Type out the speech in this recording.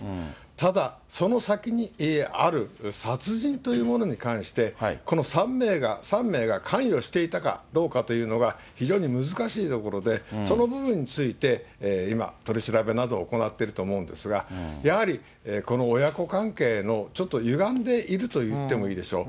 ただ、その先にある殺人というものに関して、この３名が関与していたかどうかというのは、非常に難しいところで、その部分について今、取り調べなどを行ってると思うんですが、やはりこの親子関係のちょっとゆがんでいると言ってもいいでしょう。